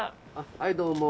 はいどうも。